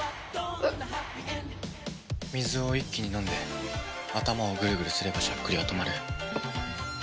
水を一気に飲んで頭をグルグルすればしゃっくりは止まる。